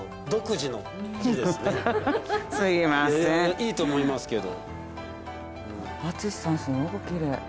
いいと思いますけど。